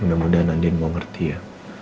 mudah mudahan andin mau ngerti ya